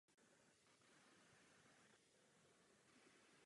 Uspořádání her posílilo turistický ruch.